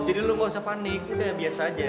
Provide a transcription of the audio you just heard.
jadi lo gausah panik ya biasa aja